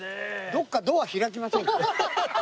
どっかドア開きませんか？